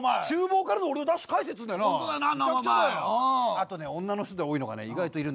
あとね女の人で多いのがね意外といるんだよ